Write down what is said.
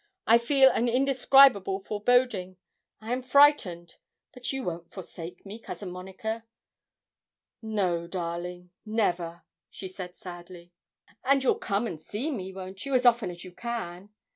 I feel an indescribable foreboding. I am frightened; but you won't forsake me, Cousin Monica.' 'No, darling, never,' she said, sadly. 'And you'll come and see me, won't you, as often as you can?'